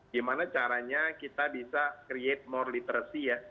gimana caranya kita bisa create nore literacy ya